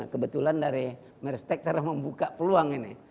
kebetulan dari meristek cara membuka peluang ini